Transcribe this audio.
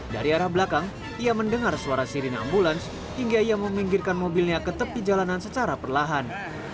dari arah belakang ia mendengar suara sirine ambulans hingga ia meminggirkan mobilnya ke tepi jalanan secara perlahan